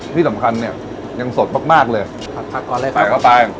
ที่สำคัญเนี่ยยังสดมากมากเลยผัดผักตอนแรกไปใส่เข้าไป